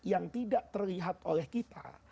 yang tidak terlihat oleh kita